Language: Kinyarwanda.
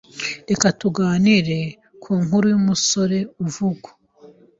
Reka tuganire ku nkuru y umusore uvugwa